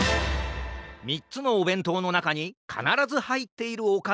みっつのおべんとうのなかにかならずはいっているおかずはどれかな？